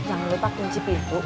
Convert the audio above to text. jangan lupa kunci pintu